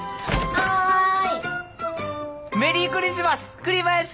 はい。